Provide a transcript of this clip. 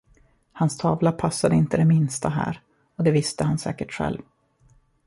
Hans tavla passade inte det minsta här, och det visste han säkert själv.